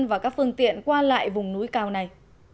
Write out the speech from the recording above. và các phương tiện qua lại vùng núi cao này